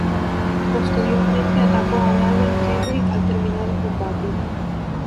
Posteriormente atacó a Brian Kendrick al terminar el combate.